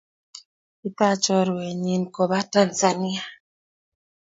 Kitach chorwenyi kopa Tanzania.